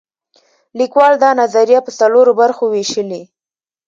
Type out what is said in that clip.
لیکوال دا نظریه په څلورو برخو ویشلې.